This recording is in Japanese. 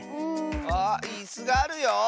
あっいすがあるよ！